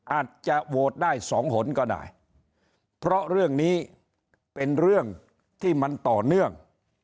อาจจะโหวตได้สองหนก็ได้เพราะเรื่องนี้เป็นเรื่องที่มันต่อเนื่อง